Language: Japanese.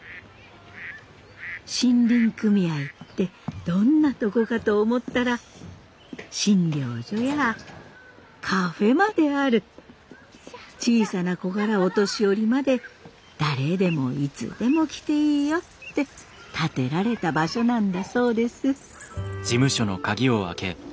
森林組合ってどんなとこかと思ったら診療所やカフェまである小さな子からお年寄りまで誰でもいつでも来ていいよって建てられた場所なんだそうです。